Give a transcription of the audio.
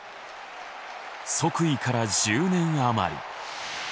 即位から１０年余り。